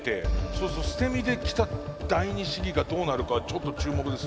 そうすると捨て身できた第二試技がどうなるかはちょっと注目ですね。